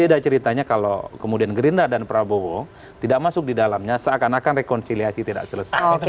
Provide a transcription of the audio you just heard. beda ceritanya kalau kemudian gerindra dan prabowo tidak masuk di dalamnya seakan akan rekonsiliasi tidak selesai